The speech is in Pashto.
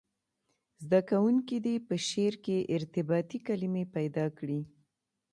زده کوونکي دې په شعر کې ارتباطي کلمي پیدا کړي.